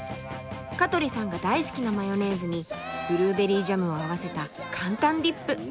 香取さんが大好きなマヨネーズにブルーベリージャムを合わせた簡単ディップ。